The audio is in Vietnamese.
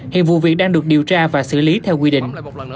hiện vụ việc đang được điều tra và xử lý theo quy định